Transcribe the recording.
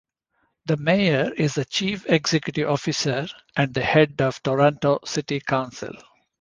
The mayor is the chief executive officer and the head of Toronto City Council.